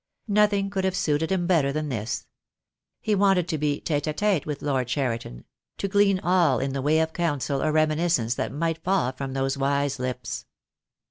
Nothing could have suited him better than this. He wanted to be tete a tete with Lord Cheriton; to glean all in the way of counsel or reminiscence that might fall from those wise lips.